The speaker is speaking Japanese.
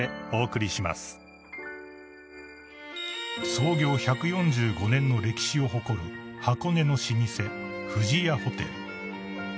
［創業１４５年の歴史を誇る箱根の老舗富士屋ホテル］